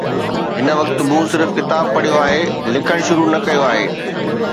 هن وقت مون صرف ڪتاب پڙهيو آهي، لکڻ شروع نه ڪيو آهي.